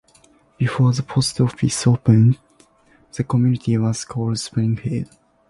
Before the post office opened, the community was called Spring Hill.